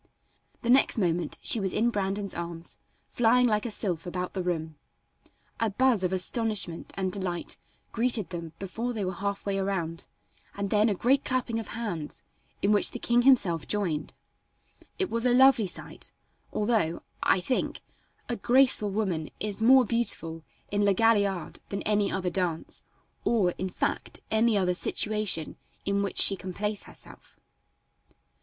The next moment she was in Brandon's arms, flying like a sylph about the room. A buzz of astonishment and delight greeted them before they were half way around, and then a great clapping of hands, in which the king himself joined. It was a lovely sight, although, I think, a graceful woman is more beautiful in La Galliard than any other dance, or, in fact, any other situation in which she can place herself.